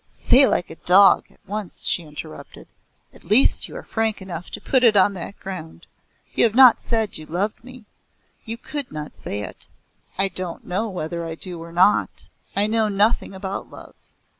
"Say like a dog, at once!" she interrupted. "At least you are frank enough to put it on that ground. You have not said you love me. You could not say it." "I don't know whether I do or not. I know nothing about love.